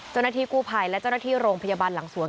เจ้าหน้าที่กู้ภัยและเจ้าหน้าที่โรงพยาบาลหลังสวน